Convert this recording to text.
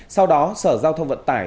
sau đó sở giao thông vận tải